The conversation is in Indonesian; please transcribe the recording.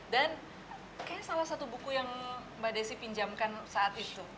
dan kayaknya salah satu buku yang mbak desy pinjamkan saat itu